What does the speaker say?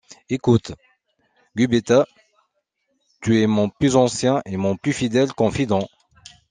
Écoute, Gubetta, tu es mon plus ancien et mon plus fidèle confident...